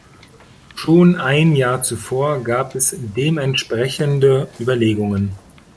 Schon ein Jahr zuvor gab es dementsprechende Überlegungen.